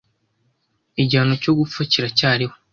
Igihano cyo gupfa kiracyariho